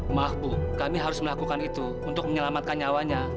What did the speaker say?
maaf bu kami harus melakukan itu untuk menyelamatkan nyawanya